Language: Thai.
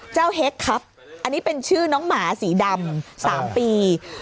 เฮ็กครับอันนี้เป็นชื่อน้องหมาสีดำ๓ปี